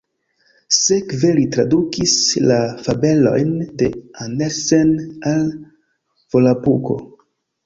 Sekve li tradukis la fabelojn de Andersen al Volapuko.